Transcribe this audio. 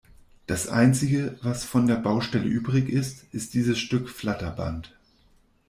Das einzige, was von der Baustelle übrig ist, ist dieses Stück Flatterband.